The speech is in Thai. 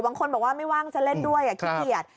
บางคนบอกว่าไม่ว่างจะเล่นด้วยขี้เกียจ